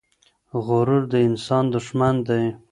غرور د انسان دښمن دی.